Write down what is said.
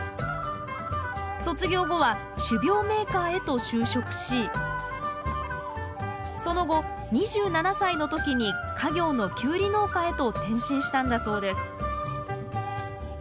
卒業後は種苗メーカーへと就職しその後２７歳の時に家業のキュウリ農家へと転身したんだそうです